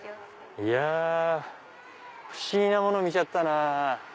いや不思議なもの見ちゃったなぁ。